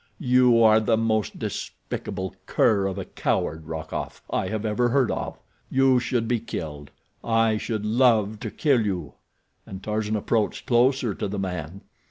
You are the most despicable cur of a coward, Rokoff, I have ever heard of. You should be killed. I should love to kill you," and Tarzan approached closer to the man.